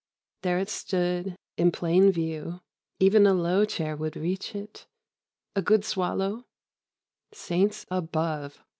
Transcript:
There it stood, in plain view; even a low chair would reach it. A good swallow—saints above!